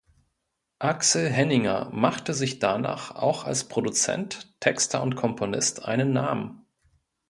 Axel Henninger machte sich danach auch als Produzent, Texter und Komponist einen Namen.